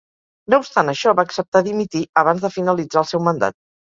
No obstant això va acceptar dimitir abans de finalitzar el seu mandat.